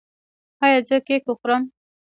ایا زه کیک وخورم؟